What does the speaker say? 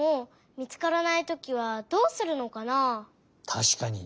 たしかに。